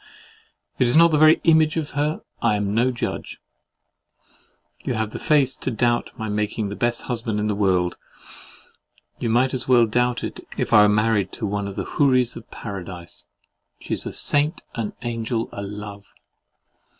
If it is not the very image of her, I am no judge.—You have the face to doubt my making the best husband in the world; you might as well doubt it if I was married to one of the Houris of Paradise. She is a saint, an angel, a love.